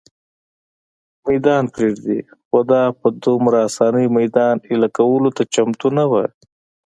مېدان پرېږدي، خو دا په دومره آسانۍ مېدان اېله کولو ته چمتو نه وه.